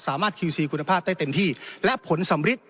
สามารถคิวซีคุณภาพได้เต็มที่และผลสำริด